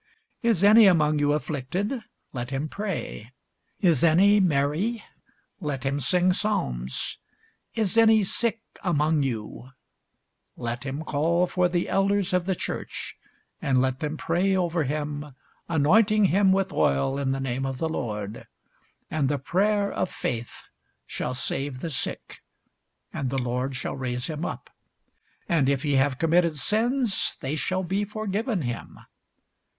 Is any among you afflicted? let him pray. Is any merry? let him sing psalms. Is any sick among you? let him call for the elders of the church; and let them pray over him, anointing him with oil in the name of the Lord: and the prayer of faith shall save the sick, and the Lord shall raise him up; and if he have committed sins, they shall be forgiven him.